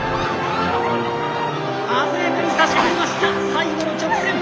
鮮やかに差し切りました最後の直線！